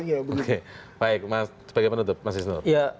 oke baik sebagai penutup mas isnur